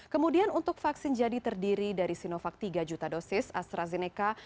kemudian untuk vaksin jadi terdiri dari sinovac tiga juta dosis astrazeneca